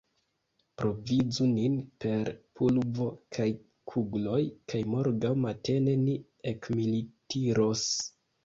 Provizu nin per pulvo kaj kugloj, kaj morgaŭ matene ni ekmilitiros.